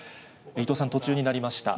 伊藤さん、途中になりました。